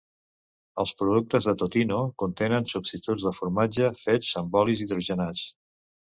Els productes de Totino contenen substituts del formatge, fets amb olis hidrogenats.